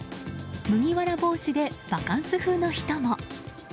麦わら帽子でバカンス風の人も。